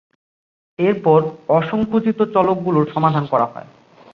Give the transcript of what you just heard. এরপর অসংকুচিত চলকগুলোর সমাধান করা হয়।